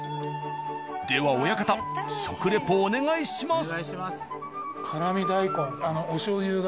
では親方食レポをお願いします。